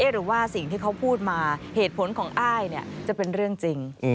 หรือว่าสิ่งที่เขาพูดมาเหตุผลของอ้ายจะเป็นเรื่องจริง